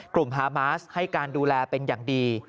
ฮามาสให้การดูแลเป็นอย่างดี